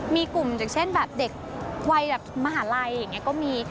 มีกลุ่มอย่างเช่นแบบเด็กวัยแบบมหาลัยอย่างนี้ก็มี